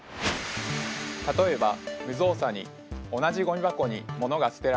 例えば無造作に同じゴミ箱に物が捨てられたとします。